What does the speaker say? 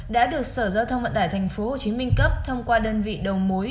đã được sở giao thông vận tải tp hcm cấp thông qua đơn vị đầu mối